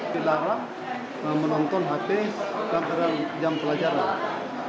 dilarang menonton hp lantaran jam pelajaran